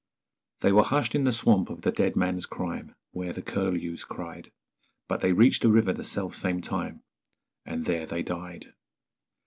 They were hushed in the swamp of the Dead Man's Crime, Where the curlews cried; But they reached the river the self same time, And there they died.